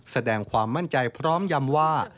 แสดงความมั่นใจพร้อมยำว่า